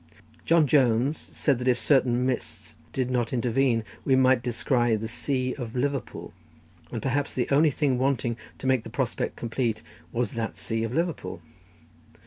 John Jones said that if certain mists did not intervene we might descry "the sea of Liverpool;" and perhaps the only thing wanting to make the prospect complete was that sea of Liverpool.